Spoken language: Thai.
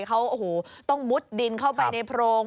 เขาโอ้โหต้องมุดดินเข้าไปในโพรง